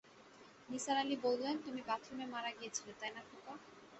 নিসার আলি বললেন, তুমি বাথরুমে মারা গিয়েছিলে, তাই না খোকা?